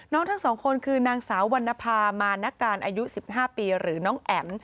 ทั้งสองคนคือนางสาววรรณภามาณการอายุ๑๕ปีหรือน้องแอ๋ม